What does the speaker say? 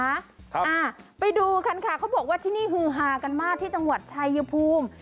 อ่าไปดูกันค่ะเขาบอกว่าที่นี่ฮือฮากันมากที่จังหวัดชายภูมิ